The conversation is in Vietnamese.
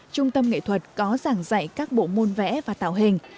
trung tâm nghệ thuật có giảng dạy các bộ môn vẽ và tạo hình